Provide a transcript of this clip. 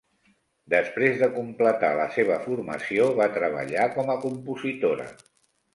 Després de completar la seva formació, va treballar com a compositora.